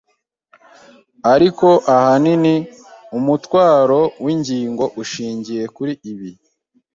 Ariko ahanini umutwaro w'ingingo ushingiye kuri ibi